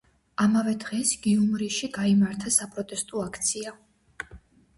ამავე დღეს გიუმრიში გაიმართა საპროტესტო აქცია.